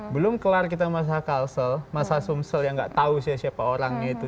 belum kelar kita masa kalsel masa sumsel yang nggak tahu siapa orangnya itu